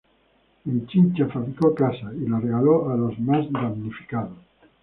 En Chincha fabricó casas y las regaló a los más damnificados.